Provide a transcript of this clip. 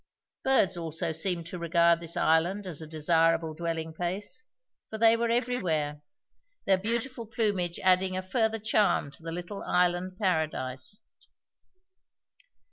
Birds also seemed to regard this island as a desirable dwelling place, for they were everywhere, their beautiful plumage adding a further charm to the little island paradise.